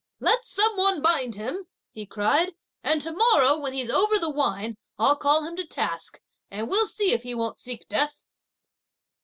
"Let some one bind him up," he cried, "and tomorrow, when he's over the wine, I'll call him to task, and we'll see if he won't seek death."